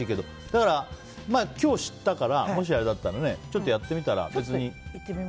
だから、今日、知ったからもしあれだったらちょっと、やってみたら？